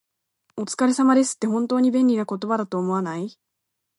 「お疲れ様です」って、本当に便利な言葉だと思わない？